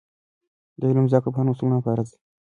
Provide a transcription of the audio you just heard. د علم زده کړه په هر مسلمان فرض ده.